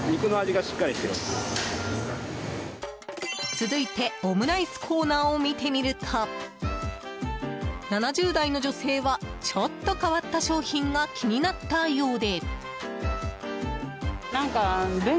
続いてオムライスコーナーを見てみると７０代の女性はちょっと変わった商品が気になったようで。